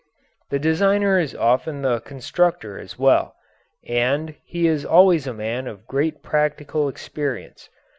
The designer is often the constructor as well, and he is always a man of great practical experience.